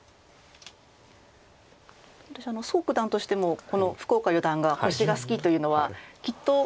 蘇九段としてもこの福岡四段が星が好きというのはきっと。